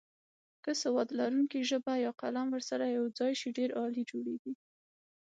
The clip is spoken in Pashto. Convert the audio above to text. که سواد لرونکې ژبه یا قلم ورسره یوځای شي ډېر عالي جوړیږي.